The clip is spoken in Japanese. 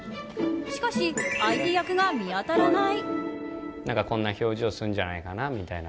しかし、相手役が見当たらない！